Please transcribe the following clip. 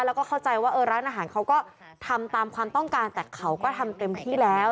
แล้วก็เข้าใจว่าร้านอาหารเขาก็ทำตามความต้องการแต่เขาก็ทำเต็มที่แล้ว